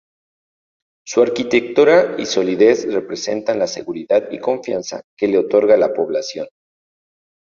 Su arquitectura y solidez representan la seguridad y confianza que le otorga la población.